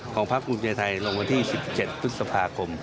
ของพักกาง่ายไทยลงมาที่๑๗ทศพครม